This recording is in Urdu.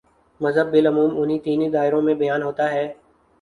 مذہب بالعموم انہی تینوں دائروں میں بیان ہوتا ہے۔